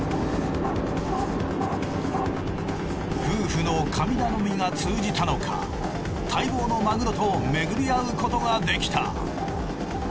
夫婦の神頼みが通じたのか待望のマグロとめぐり合うことができた。